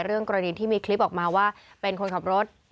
กรณีที่มีคลิปออกมาว่าเป็นคนขับรถ